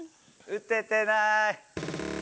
打ててない。